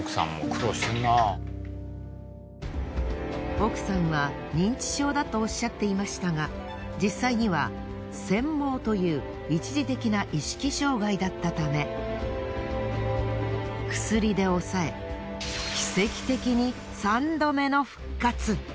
奥さんは認知症だとおっしゃっていましたが実際にはせん妄という一時的な意識障害だったため薬で抑え奇跡的に。